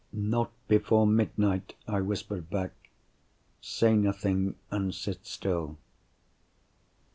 "Not before midnight," I whispered back. "Say nothing, and sit still."